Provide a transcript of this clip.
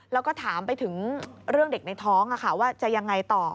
แล้วก็ถามไปถึงเรื่องเด็กในท้องว่าจะยังไงต่อ